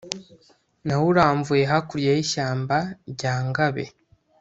nawuramvuye hakulya yishyamba lya Ngabe